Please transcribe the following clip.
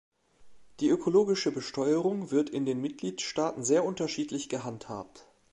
Die ökologische Besteuerung wird in den Mitgliedstaaten sehr unterschiedlich gehandhabt.